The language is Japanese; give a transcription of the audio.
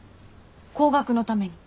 後学のために。